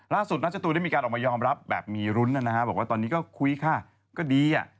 ล่าสุดนัชตูได้มีการออกมายอมรับแบบมีรุ้นนะฮะบอกว่าตอนนี้ก็คุยค่ะก็ดีอ่ะ